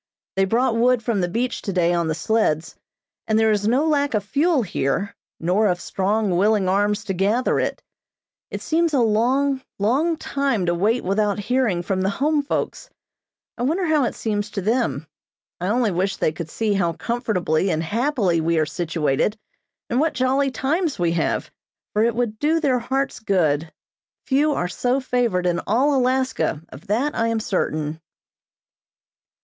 They brought wood from the beach today on the sleds, and there is no lack of fuel here, nor of strong, willing arms to gather it. It seems a long, long time to wait without hearing from the home folks. I wonder how it seems to them. I only wish they could see how comfortably and happily we are situated, and what jolly times we have, for it would do their hearts good. Few are so favored in all Alaska, of that I am certain.